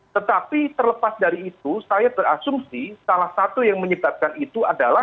tetapi terlepas dari itu saya berasumsi salah satu yang menyebabkan itu adalah